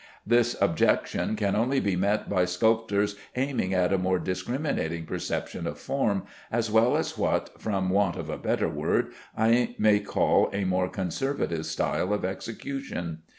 This objection can only be met by sculptors aiming at a more discriminating perception of form, as well as what (from want of a better word) I may call a more conservative style of execution.